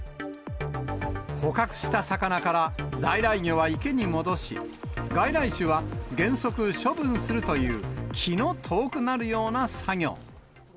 捕獲した魚から在来魚は池に戻し、外来種は原則処分するという、気の遠くなるような作業。